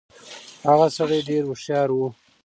هغه سړی ډېر هوښيار و.